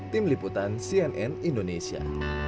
tim liputan cnn indonesia